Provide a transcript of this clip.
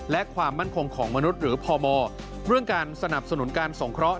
และความมั่นคงของมนุษย์หรือพมเรื่องการสนับสนุนการสงเคราะห